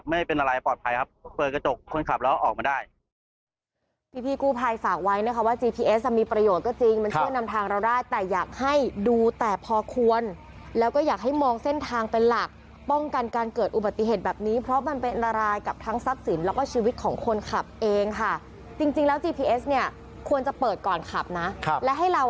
ไม่เป็นอะไรปลอดภัยครับเปิดกระจกคนขับแล้วออกมาได้